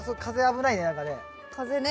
風ね。